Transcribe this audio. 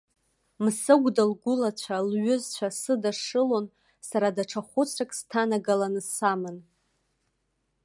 Мсыгәда лгәылацәа, лҩызцәа сыдашшылон, сара даҽа хәыцрак сҭанагаланы саман.